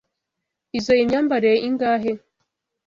Izoi myambarire ingahe?